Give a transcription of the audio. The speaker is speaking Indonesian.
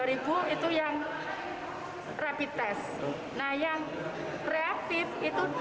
dua puluh dua ribu itu yang rapid test